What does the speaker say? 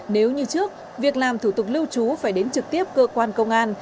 nếu như trước việc làm thủ tục lưu trú phải đến trực tiếp cơ quan công an